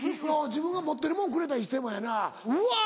自分が持ってるもんくれたりしてもやなうわ！